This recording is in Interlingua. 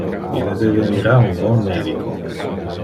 Ille devenira un bon medico.